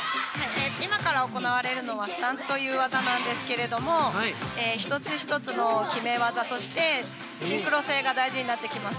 今から行われるのは、スタンスという技なんですけれども、一つ一つの決め技、そしてシンクロ性が大事になってきます。